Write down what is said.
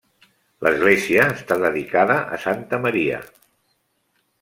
L'església està dedicada a Santa Maria.